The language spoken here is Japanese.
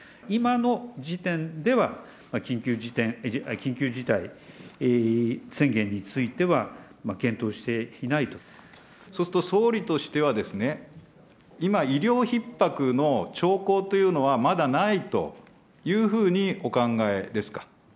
今の時点では、緊急事態宣言については、そうすると、総理としては、今、医療ひっ迫の兆候というのはまだないというふうにお考えですか。